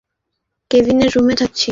কেভিনের রুমে থাকছি।